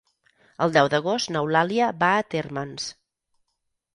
El deu d'agost n'Eulàlia va a Térmens.